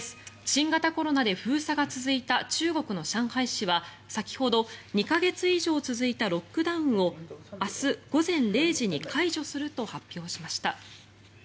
新型コロナで封鎖が続いた中国の上海市は先ほど２か月以上続いたロックダウンを明日午前０時に解除すると発表しました。